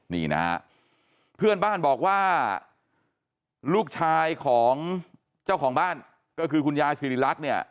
นี่นะฮะเพื่อนบ้านบอกว่าลูกชายของเจ้าของบ้านก็คือคุณยายสิริรักษ์เนี่ย